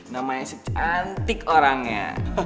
namanya secantik orangnya